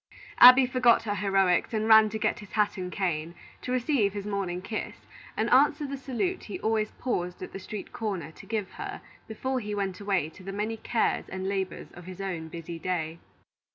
Abby forgot her heroics and ran to get his hat and cane, to receive his morning kiss, and answer the salute he always paused at the street corner to give her before he went away to the many cares and labors of his own busy day.